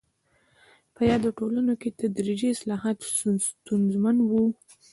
په یادو ټولنو کې تدریجي اصلاحات ستونزمن وو.